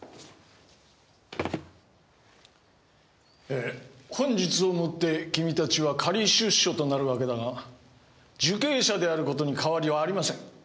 えぇ本日をもって君たちは仮出所となるわけだが受刑者であることに変わりはありません。